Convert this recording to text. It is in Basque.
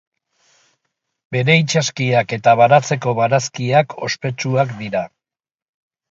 Bere itsaskiak eta baratzeko barazkiak ospetsuak dira.